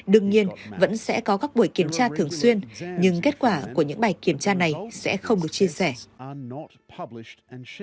đương nhiên vẫn sẽ có các buổi kiểm tra thường xuyên nhưng kết quả của những bài kiểm tra này sẽ không được chia sẻ